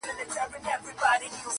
اوس بقا د ژوند په دوو ژبو نغښتې,